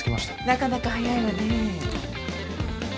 なかなか早いわね。